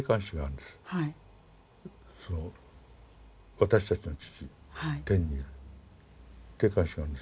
「私たちの父」「天にいる」定冠詞があるんです。